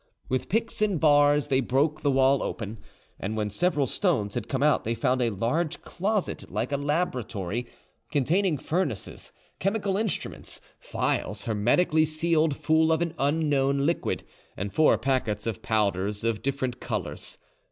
With picks and bars they broke the wall open, and when several stones had come out they found a large closet like a laboratory, containing furnaces, chemical instruments, phials hermetically sealed full of an unknown liquid, and four packets of powders of different colours.